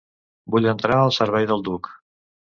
Vull entrar al servei del duc.